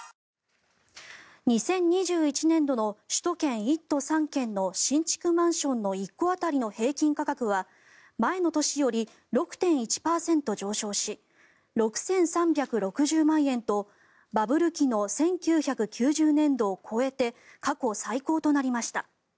２０２１年度の首都圏１都３県の新築マンションの１戸当たりの平均価格は前の年より６．１％上昇し６３６０万円とバブル期の１９９０年度を超えて過去最高となりました。